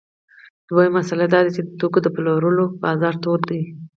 دویمه مسئله دا ده چې د توکو د پلورلو بازار تود دی